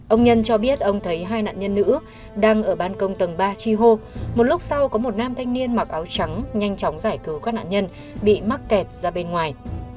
ông nhân cho biết ông thấy hai nạn nhân nữ đang ở ban công tầng ba chi hô một lúc sau có một nam thanh niên mặc áo trắng nhanh chóng giải cứu các nạn nhân bị mắc kẹt ra bên ngoài